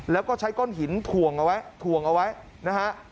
แล้วก็ใช้ก้อนหินถ่วงเอาไว้ถ่วงเอาไว้นะฮะ